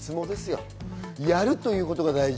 やるということが大事。